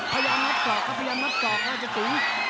พยายามนับกรอกพยายามนับกรอกอาจจะตุ๋ง